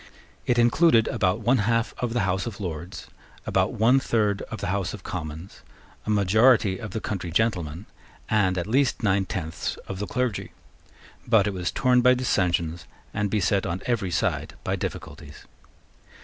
It included about one half of the House of Lords, about one third of the House of Commons, a majority of the country gentlemen, and at least nine tenths of the clergy; but it was torn by dissensions, and beset on every side by difficulties.